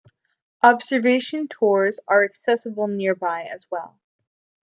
Observation tours are accessible nearby as well.